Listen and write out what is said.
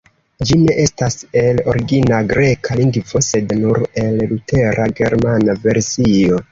Ĝi ne estas el origina greka lingvo, sed nur el Lutera germana versio.